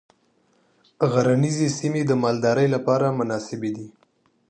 غرنیزې سیمې د مالدارۍ لپاره مناسبې دي.